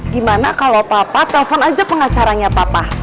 gimana kalau papa telpon aja pengacaranya papa